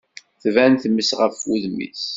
Tban tmes ɣef wudem-is.